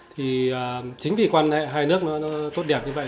thì chính vì quan hệ hai nước nó tốt đẹp như vậy